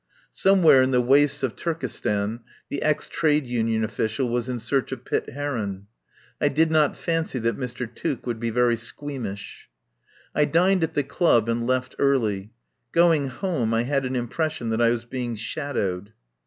Some where in the wastes of Turkestan the ex trade union official was in search of Pitt Heron. I did not fancy that Mr. Tuke would be very squeamish. I dined at the club and left early. Going home, I had an impression that I was being shadowed.